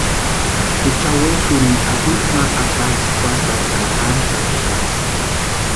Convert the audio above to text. Jucha wexurhikwa akwitsini ma ataspka juatarhu ka ántaspkaksï.